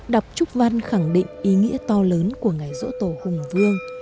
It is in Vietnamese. đọc trúc văn khẳng định ý nghĩa to lớn của ngày dỗ tổ hùng vương